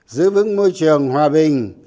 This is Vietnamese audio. giữ vững môi trường hòa bình